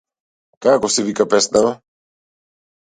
Како се вика песнава?